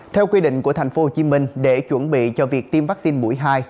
theo quy định của tp hcm để chuẩn bị cho việc tiêm vaccine mũi hai